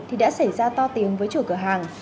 thì đã xảy ra to tiếng với chủ cửa hàng